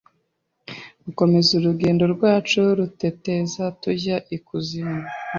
gukomeza urugendo rwacu rutoteza tujya ikuzimu